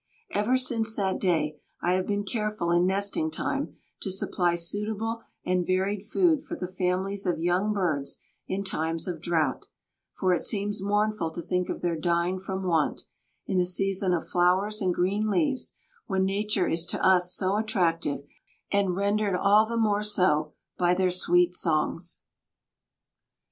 Ever since that day I have been careful in nesting time to supply suitable and varied food for the families of young birds in times of drought, for it seems mournful to think of their dying from want, in the season of flowers and green leaves, when nature is to us so attractive, and rendered all the more so by their sweet songs.